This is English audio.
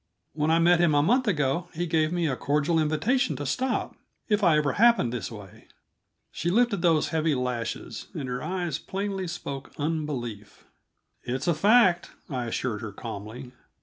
When I met him a month ago, he gave me a cordial invitation to stop, if I ever happened this way." She lifted those heavy lashes, and her eyes plainly spoke unbelief. "It's a fact," I assured her calmly.